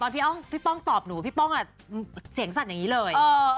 พี่ป้องตอบหนูพี่ป้องเสียงสั่นอย่างนี้เลย